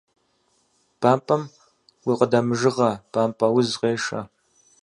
Бампӏэм гукъыдэмыжыгъэ, бампӏэ уз къешэ.